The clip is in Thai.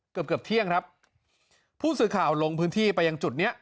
เกือบเกือบเที่ยงครับผู้สื่อข่าวลงพื้นที่ไปยังจุดเนี้ย